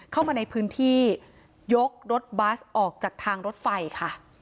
เข้ามาในพื้นที่ยกรถบัสออกจากทางรถไฟค่ะ